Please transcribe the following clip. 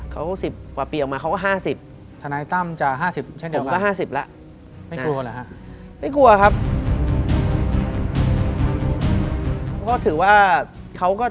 เขา๑๐กว่าปีออกมาเขาก็๕๐